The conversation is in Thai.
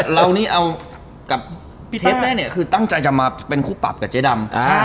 เรานี่เอากับเทปแรกตั้งใจจะมาเป็นคู่ปรับกับเจ๊ดำ